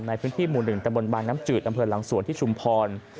ในพื้นที่หมู่๑ตะบนบางน้ำจืดอำเภอหลังสวนที่ชุมพร